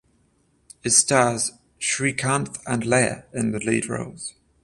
It stars Srikanth and Laya in the lead roles.